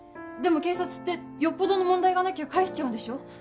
でも警察ってよっぽどの問題がなきゃかえしちゃうんでしょ？